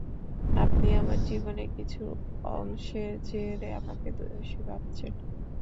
আপনি আমার জীবনের কিছু অংশের জেরে আমাকে দোষী ভাবছেন।